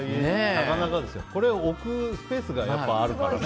なかなかですよ。これを置くスペースがあるからね。